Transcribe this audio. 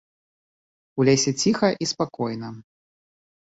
У лесе ціха і спакойна.